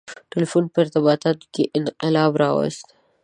• ټیلیفون په ارتباطاتو کې انقلاب راوست.